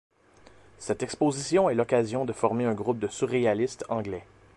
Cette exposition est l'occasion de former un groupe de surréalistes anglais.